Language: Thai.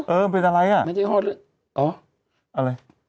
เออมันเป็นอะไรน่ะไม่ได้หอดเลย